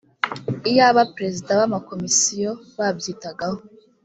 iyaba perezida b’ amakomisiyo babyitagaho